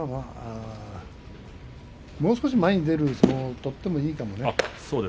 もう少し前に出る相撲を取ってもいいかもね。